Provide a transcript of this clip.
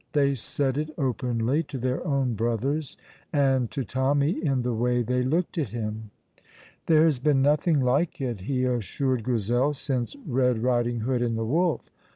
They said it openly to their own brothers, and to Tommy in the way they looked at him. "There has been nothing like it," he assured Grizel, "since Red Riding hood and the wolf.